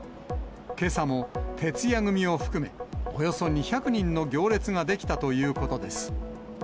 けさも徹夜組を含め、およそ２００人の行列が出来たということです。